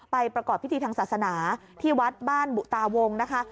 ประกอบพิธีทางศาสนาที่วัดบ้านบุตาวงนะคะ